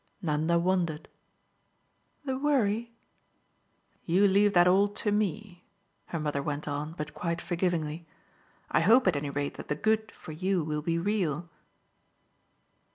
Nanda wondered. "The worry?" "You leave that all to ME," her mother went on, but quite forgivingly. "I hope at any rate that the good, for you, will be real."